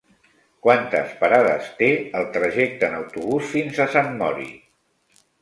Quantes parades té el trajecte en autobús fins a Sant Mori?